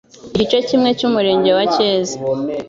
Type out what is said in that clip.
Igice kimwe cy'Umurenge wa Cyeza